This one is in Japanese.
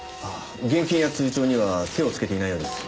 現金や通帳には手をつけていないようです。